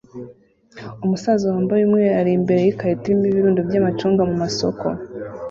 Umusaza wambaye umweru ari imbere yikarito irimo ibirundo byamacunga mumasoko